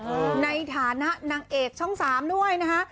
ในฐานะนางเอกช่องสามด้วยนะคะ